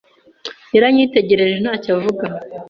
Yaranyitegereje ntacyo avuga.